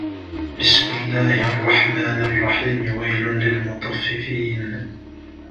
بِسْمِ اللَّهِ الرَّحْمَنِ الرَّحِيمِ وَيْلٌ لِلْمُطَفِّفِينَ